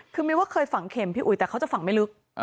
คือมีว่าเคยฝังเข็มพี่อุ๋ยแต่เขาจะฝังไม่ลึก